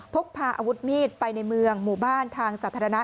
พกพาอาวุธมีดไปในเมืองหมู่บ้านทางสาธารณะ